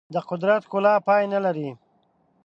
د قدرت ښکلا پای نه لري.